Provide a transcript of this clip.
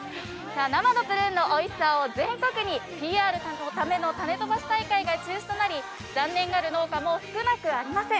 生のプルーンのおいしさを全国にＰＲするための種飛ばし大会が中止となり、残念がる農家も少なくありません。